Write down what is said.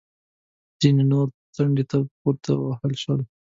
ځینې نور څنډې ته پورې ووهل شول